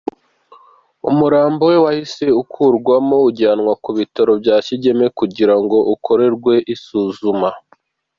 Umurambo we wahise ukurwamo ujyanwa ku bitaro bya Kigeme kugira ngo ukorerwe isuzuma.